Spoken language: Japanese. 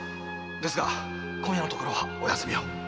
ですが今夜のところはお休みを。